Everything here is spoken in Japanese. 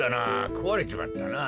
こわれちまったなぁ。